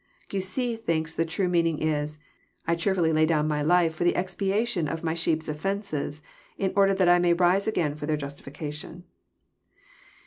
Gayse thlnlLS the true meaning is, I cheerAilly lay down my life for the expiation of my sheep's offences, in order that I may rise again for their Justiflcation."